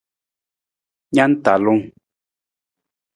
Na na talung.